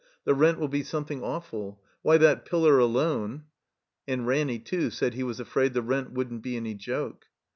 "The rent will be something awful — ^why, that pillar alone —" And Ranny, too, said he was afraid the rent wouldn't be any joke.